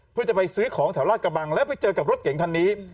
เพื่อจะไปซื้อของแถวราชกระบังแล้วไปเจอกับรถเก๋งคันนี้